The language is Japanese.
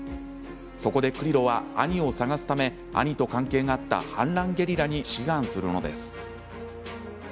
そこで、クリロは兄を捜すため兄と関係があった反乱ゲリラに志願するのです。